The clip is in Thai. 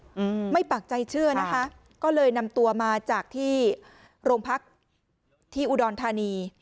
อืมไม่ปากใจเชื่อนะคะก็เลยนำตัวมาจากที่โรงพักที่อุดรธานี